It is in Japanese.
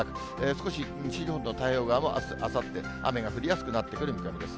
少し西日本の太平洋側、あす、あさって、雨が降りやすくなってくる見込みです。